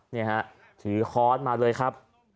นี่ฮะถือค้อนมาเลยครับ